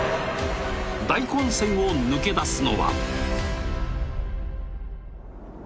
大混戦を抜け出すのは。